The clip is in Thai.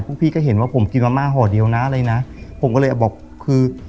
พวกพี่ก็เห็นว่าผมกินมะม่าห่อเดียวน่ะเลยน่ะผมก็เลยอ่ะบอกคือ